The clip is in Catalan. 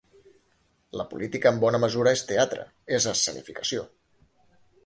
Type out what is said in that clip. La política en bona mesura és teatre, és escenificació.